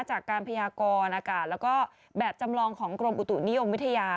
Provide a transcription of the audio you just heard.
จากการพยากรอากาศแล้วก็แบบจำลองของกรมอุตุนิยมวิทยา